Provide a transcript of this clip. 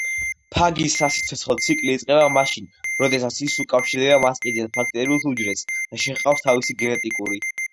ფაგის სასიცოცხლო ციკლი იწყება მაშინ როდესაც ისუკავშირდება მასპინძელ ბაქტერიულ უჯრედს და შეჰყავს თავისი გენეტიკური